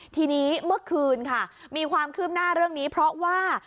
ทีนี้เมื่อคืนค่ะมีความคืบหน้าเรื่องนี้เพราะว่า